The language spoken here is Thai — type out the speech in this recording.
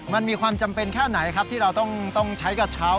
มันมีความจำเป็นแค่ไหนครับที่เราต้องใช้กระเช้า